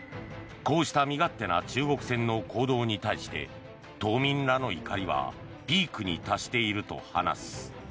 こうした身勝手な中国船の行動に対して島民らの怒りはピークに達していると話す。